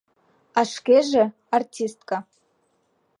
А шкеже — артистка.